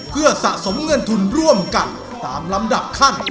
เพื่อสะสมเงินทุนร่วมกันตามลำดับขั้น